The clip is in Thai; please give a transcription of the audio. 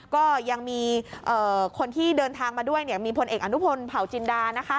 ก็ยังมีคนที่เดินทางมาด้วยมีพลเอกอนุพลเผาจินดา